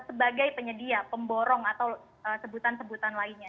sebagai penyedia pemborong atau sebutan sebutan lainnya